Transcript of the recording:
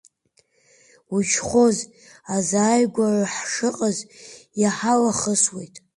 Учхоз азааигәара ҳшыҟаз иҳалахысуеит.